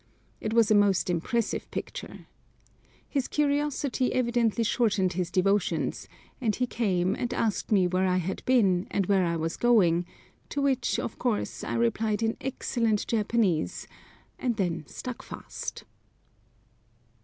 It was a most impressive picture. His curiosity evidently shortened his devotions, and he came and asked me where I had been and where I was going, to which, of course, I replied in excellent Japanese, and then stuck fast.